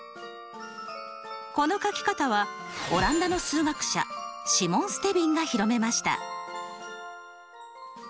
この書き方はオランダの数学者シモン・ステヴィンが広めました。